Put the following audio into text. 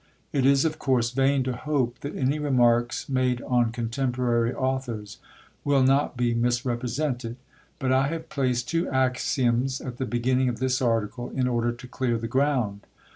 It is, of course, vain to hope that any remarks made on contemporary authors will not be misrepresented, but I have placed two axioms at the beginning of this article in order to clear the ground.